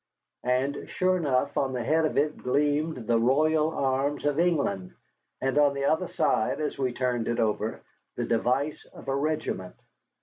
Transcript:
And sure enough, on the head of it gleamed the royal arms of England, and on the other side, as we turned it over, the device of a regiment.